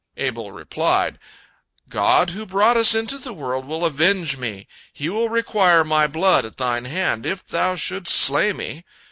Abel replied: "God, who brought us into the world, will avenge me. He will require my blood at thine hand, if thou shouldst slay me.